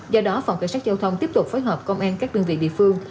do đó phòng cảnh sát giao thông tiếp tục phối hợp công an các đơn vị địa phương